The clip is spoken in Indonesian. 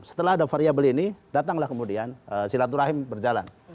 setelah ada variable ini datanglah kemudian silaturahim berjalan